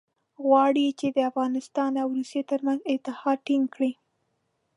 غواړي چې د افغانستان او روسیې ترمنځ اتحاد ټینګ کړي.